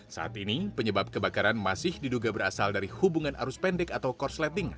saat ini penyebab kebakaran masih diduga berasal dari hubungan arus pendek atau korsleting